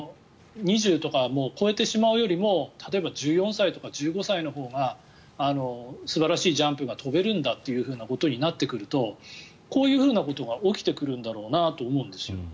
２０とかもう超えてしまうよりも例えば１４歳とか１５歳のほうが素晴らしいジャンプが跳べるんだということになってくるとこういうことが起きてくるんだろうなと思うんですよ。